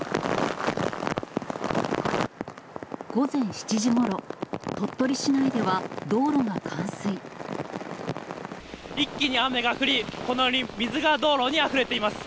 午前７時ごろ、鳥取市内では、一気に雨が降り、このように水が道路にあふれています。